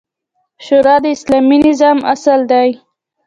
شورا د اسلامي نظام اصل دی